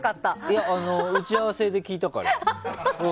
いや、打ち合わせで聞いたから。